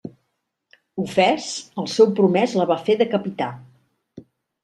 Ofès, el seu promès la va fer decapitar.